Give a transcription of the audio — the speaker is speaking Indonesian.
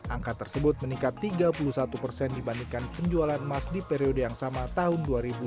angka tersebut meningkat tiga puluh satu persen dibandingkan penjualan emas di periode yang sama tahun dua ribu dua puluh